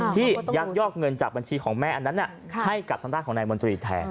ยักยอกเงินจากบัญชีของแม่อันนั้นให้กับทางด้านของนายมนตรีแทน